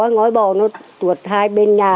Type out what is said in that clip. ngói bò nó tuột hai bên nhà